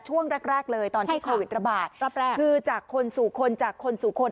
ช่วงแรกแรกเลยตอนที่โควิดระบาดก็แปลกคือจากคนสู่คนจากคนสู่คน